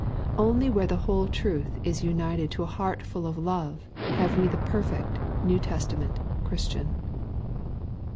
Only where the whole truth is united to a heart full of love have we the perfect New Testament Christian.